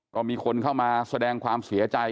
ก็มีคนเข้ามาแสดงความเสียใจ